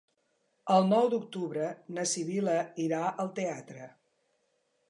El nou d'octubre na Sibil·la irà al teatre.